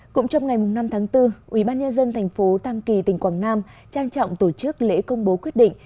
cũng trong ngày năm tháng bốn ubnd tp tam kỳ tỉnh quảng nam trang trọng tổ chức lễ công bố quyết định